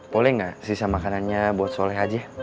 boleh nggak sisa makanannya buat soleh aja